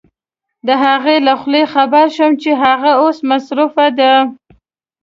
د هغې له خولې خبر شوم چې هغه اوس مصروفه ده.